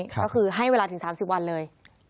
ก็คือให้เวลาถึง๓๐วันเลย